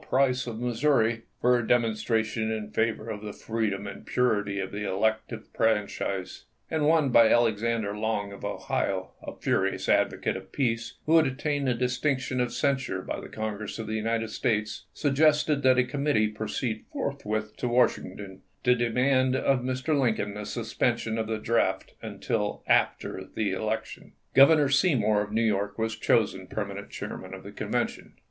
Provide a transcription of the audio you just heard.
Price of Missouri for a demonstra tion in favor of the freedom and purity of the elec tive franchise; and one by Alexander Long of Ohio, a furious advocate of peace, who had at tained the distinction of censure by the Congress of the United States, suggested that a committee proceed forthwith to Washington to demand of Mr. Lincoln the suspension of the draft until after the election. 256 ABKAHAM LINCOLN chap. xi. Governor Seymour of New York was chosen Aug.3o,i864. permanent chairman of the Convention.